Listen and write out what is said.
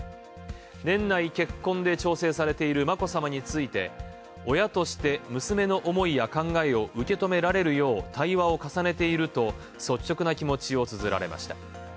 年内結婚で調整されている眞子さまについて「親として娘の思いや考えを受け止められるよう対話を重ねている」と率直な気持ちを綴られました。